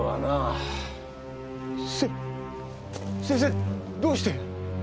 せ先生どうして？